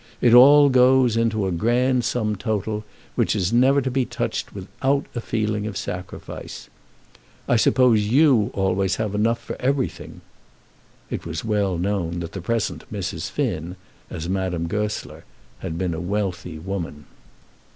It all goes into a grand sum total, which is never to be touched without a feeling of sacrifice. I suppose you have always enough for everything." It was well known that the present Mrs. Finn, as Madame Goesler, had been a wealthy woman.